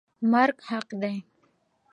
مرګ حق دی.